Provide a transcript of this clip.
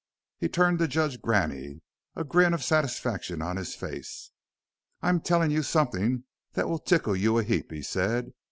He turned to Judge Graney, a grin of satisfaction on his face. "I'm tellin' you somethin' that will tickle you a heap," he said.